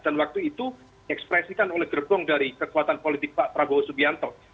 dan waktu itu ekspresikan oleh gergong dari kekuatan politik pak prabowo subianto